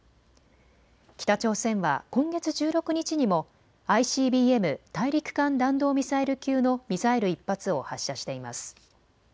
北朝鮮は今月１６日にもＩＣＢＭ・大陸間弾道ミサイル級のミサイル１発を発射しています。